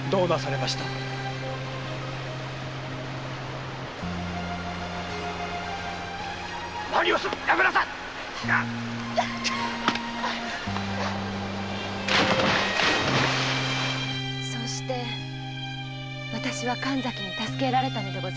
そして私は神崎に助けられたのでございます。